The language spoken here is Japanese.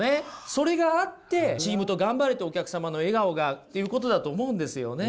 それがあってチームと頑張れてお客様の笑顔がっていうことだと思うんですよね。